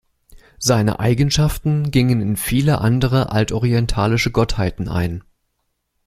Seine Eigenschaften gingen in viele andere altorientalische Gottheiten ein.